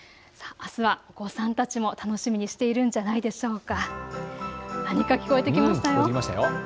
あすはお子さんたちも楽しみにしているんじゃないでしょうか。